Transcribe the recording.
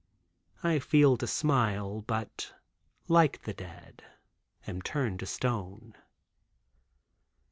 I feel to smile, but like the dead am turned to stone.